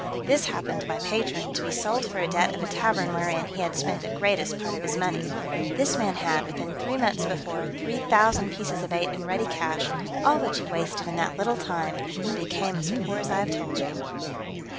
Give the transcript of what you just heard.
This happened to my patron, to be sold for a debt of a tavern wherein he had spent the greatest part of his money. This man had, within three months before, three thousand pieces of eight in ready cash, all which he wasted in that little time, and became as poor as I have told you.